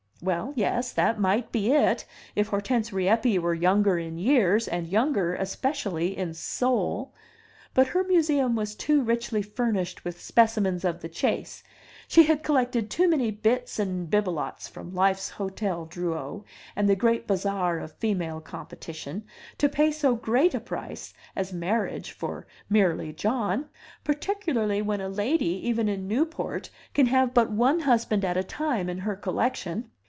Well, yes; that might be it, if Hortense Rieppe were younger in years, and younger, especially, in soul; but her museum was too richly furnished with specimens of the chase, she had collected too many bits and bibelots from life's Hotel Druot and the great bazaar of female competition, to pay so great a price as marriage for merely John; particularly when a lady, even in Newport, can have but one husband at a time in her collection.